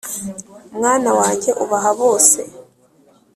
mwana wanjye ubaha bose